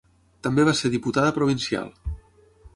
També va ser diputada provincial.